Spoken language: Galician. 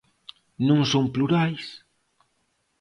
¿Non son plurais?